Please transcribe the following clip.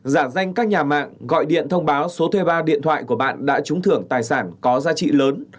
giả danh các nhà mạng gọi điện thông báo số thuê bao điện thoại của bạn đã trúng thưởng tài sản có giá trị lớn